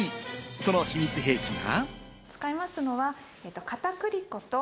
その秘密兵器が。